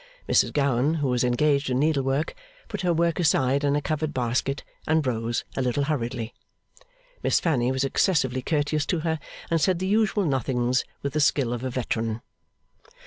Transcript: Mrs Gowan, who was engaged in needlework, put her work aside in a covered basket, and rose, a little hurriedly. Miss Fanny was excessively courteous to her, and said the usual nothings with the skill of a veteran.